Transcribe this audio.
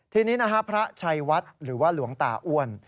ทีนี้นะฮะพระชัยวัดหรือว่าหลวงตาอ้วน